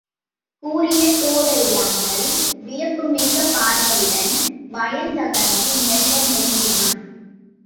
கூறிய தோடல்லாமல் வியப்புமிக்க பார்வையுடன் வயந்தகனை மெல்ல நெருங்கினான்.